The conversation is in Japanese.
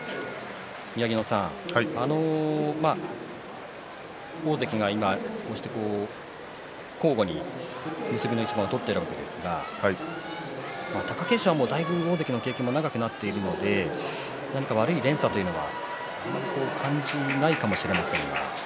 宮城野さん、大関が今、こうして交互に結びの一番を取っているわけですが貴景勝はだいぶ大関の経験も長くなっているのでなにか悪い連鎖というのは感じないかもしれませんが。